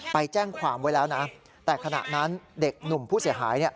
ไปแจ้งความไว้แล้วนะแต่ขณะนั้นเด็กหนุ่มผู้เสียหาย